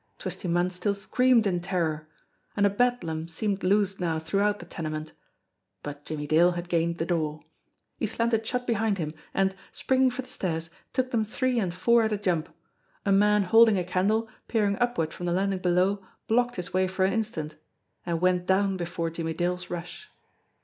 Twisty Munn still screamed in terror. And a bedlam seemed loosed now throughout the tenement. But Jimmie Dale had gained the door. He slammed it shut behind him, and, springing for the stairs, took them three and four at a jump. A man holding a candle, peering upward from the landing below, blocked his way for an instant and went down before Jimmie Dale's rush.